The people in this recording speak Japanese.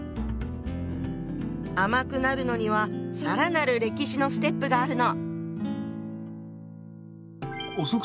甘くなるのには更なる歴史のステップがあるの。